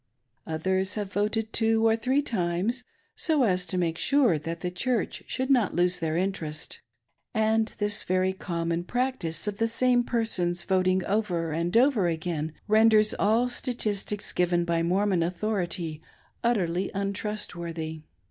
Others have voted two or three times, so as to make sure that the Church should not lose their interest. And this very • common practice of the same persons voting over and over again renders all statistics given by Mormon authority utterly untrustworthy.